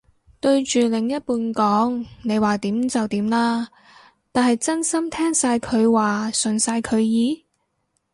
對住另一半講你話點就點啦，都係真心聽晒佢話順晒佢意？